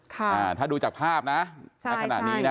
ถ้าดูจากภาพนะเท่าขนาดนี้นะ